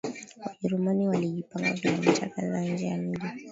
Wajerumani walijipanga kilomita kadhaa nje ya mji